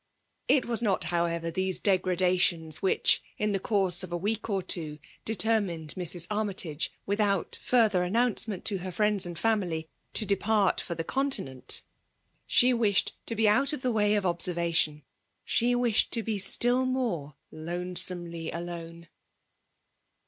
^ It was not, however, these degpradations • which, in the course of a week or two, deter mined Mrs. Armytage, without further an nouncement to her friends and family, to depart for the Continent. She wished to be out of the way of observation, — she wished to be still more lonesomely alone.